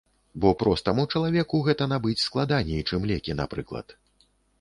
Бо простаму чалавеку гэта набыць складаней, чым лекі, напрыклад.